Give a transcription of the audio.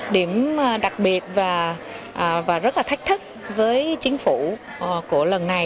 điểm đặc biệt và rất là thách thức với chính phủ của lần này